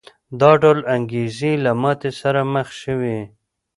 دا ډول انګېزې له ماتې سره مخ شوې.